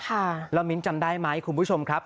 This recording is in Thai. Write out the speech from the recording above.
แล้วมิ้นจำได้ไหมคุณผู้ชมครับ